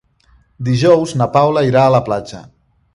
Dijous na Paula irà a la platja.